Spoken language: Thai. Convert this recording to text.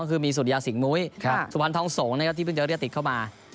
ก็คือมีสุริยาสิงหมุ้ยสุพรรณทองสงฆ์นะครับที่เพิ่งจะเรียกติดเข้ามา